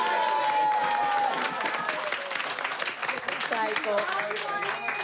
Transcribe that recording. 最高。